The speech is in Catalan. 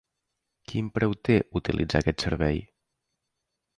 Quin preu té utilitzar aquest servei?